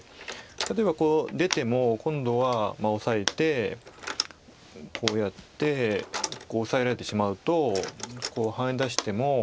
例えば出ても今度はオサえてこうやってこうオサえられてしまうとハネ出しても。